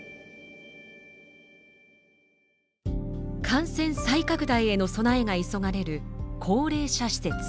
感染再拡大への備えが急がれる高齢者施設。